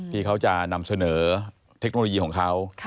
ที่เขาจะนำเสนอเทคโนโลยีของเขา